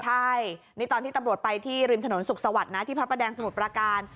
ใช่นี่ตอนที่ตำรวจไปที่ริมถนนสุขสวัสดิ์นะที่พระประแดงสมุทรประการ